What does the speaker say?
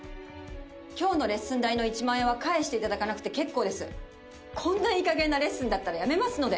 今日のレッスン代の１万円は返していただかなくて結構ですこんないい加減なレッスンだったらやめますので☎